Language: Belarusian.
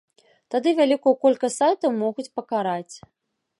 Тады вялікую колькасць сайтаў могуць пакараць.